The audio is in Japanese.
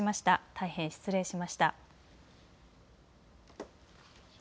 大変失礼しました。